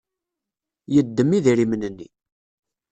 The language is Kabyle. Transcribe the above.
Yeddem idrimen-nni.